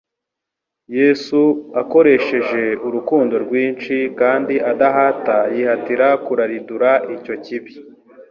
Yesu, akoresheje urukundo rwinshi kandi adahata, yihatira kuraridura icyo kibi.